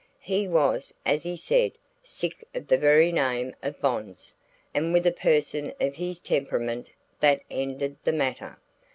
He was, as he said, sick of the very name of bonds, and with a person of his temperament that ended the matter.